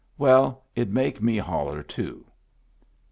Well, it'd make me holler too.